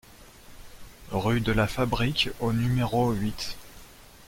Rue de la Fabrique au numéro huit